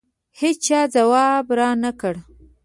هېچا ځواب رانه کړ.